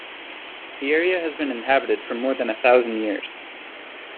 The area has been inhabited for more than a thousand years.